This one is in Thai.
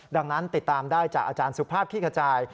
ดังนั้นติดตามได้จากอาจารย์สุภาพขี้กระจาย